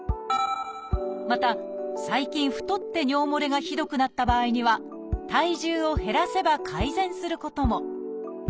また最近太って尿もれがひどくなった場合には体重を減らせば改善することも。